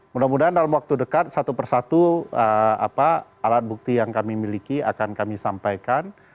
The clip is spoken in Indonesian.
mudah mudahan dalam waktu dekat satu persatu alat bukti yang kami miliki akan kami sampaikan